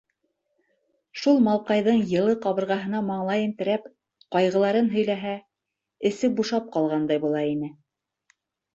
- Шул малҡайҙың йылы ҡабырғаһына маңлайын терәп, ҡайғыларын һөйләһә... эсе бушап ҡалғандай була ине...